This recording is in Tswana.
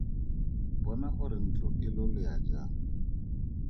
Bona gore ntlo e lolea jang!